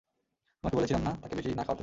তোমাকে বলেছিলাম না তাকে বেশি না খাওয়াতে?